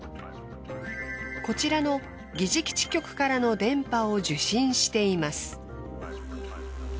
こちらの疑似基地局からの電波を受信しています。